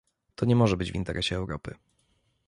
To nie może być w interesie Europy